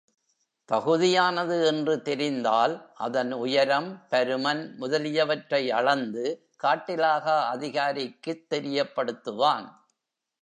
தகுதியானது என்று தெரிந்தால், அதன் உயரம், பருமன் முதலியவற்றை அளந்து காட்டிலாகா அதிகாரிக்குத் தெரியப்படுத்துவான்.